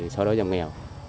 sau đó giảm nghèo